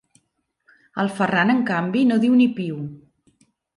El Ferran, en canvi, no diu ni piu.